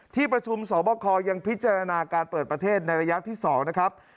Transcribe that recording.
ที่ประชุมสอบคอยังพิจารณาการเปิดประเทศในระยะที่๒นะครับ